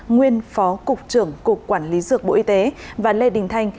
nguyên phó cục trưởng cục quản lý dược bộ y tế và lê đình thanh